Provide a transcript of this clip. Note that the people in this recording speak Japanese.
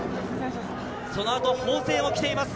そのあと法政が来ています。